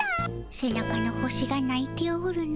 背中の星がないておるの。